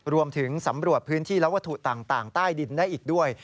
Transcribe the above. รวมถึงสำรวจพื้นที่และวัตถุต่างใต้ดินได้อีกด้วย